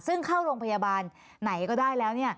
ซึ่งเข้าโรงพยาบาลไหนก็ได้แล้ว